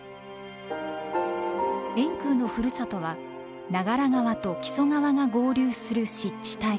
円空のふるさとは長良川と木曽川が合流する湿地帯。